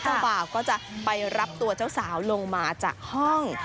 บ่าวก็จะไปรับตัวเจ้าสาวลงมาจากห้อง